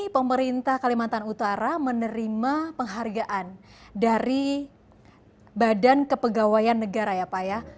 pemerintah kalimantan utara menerima penghargaan dari badan kepegawaian negara ya pak ya